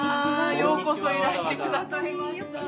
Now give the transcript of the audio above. ようこそいらして下さいました。